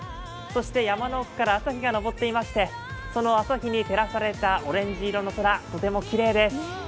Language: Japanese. そして山の奥から朝日が昇っていましてその朝日に照らされたオレンジ色の空、とてもきれいです。